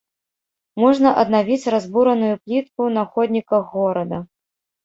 Можна аднавіць разбураную плітку на ходніках горада.